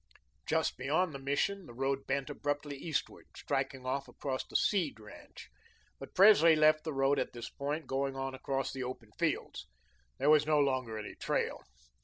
Just beyond the Mission, the road bent abruptly eastward, striking off across the Seed ranch. But Presley left the road at this point, going on across the open fields. There was no longer any trail.